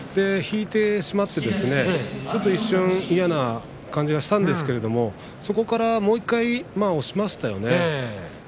引いてしまって、ちょっと一瞬嫌な感じがしたんですけれどもそこからもう１回押しましたよね。